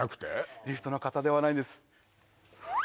リフトの方ではないんです